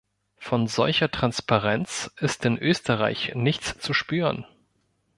Von solcher Transparenz ist in Österreich nichts zu spüren.